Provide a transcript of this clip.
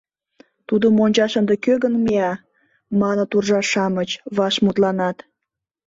Тудым ончаш ынде кӧ гын мия?» Маныт уржа-шамыч, ваш мутланат